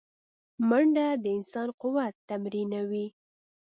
منډه د انسان قوت تمرینوي